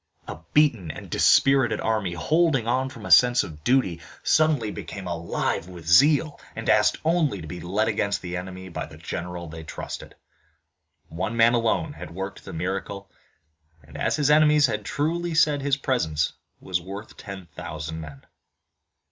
A beaten and dispirited army, holding on from a sense of duty, suddenly became alive with zeal, and asked only to be led against the enemy by the general they trusted. One man alone had worked the miracle and as his enemies had truly said his presence was worth ten thousand men.